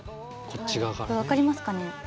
分かりますかね？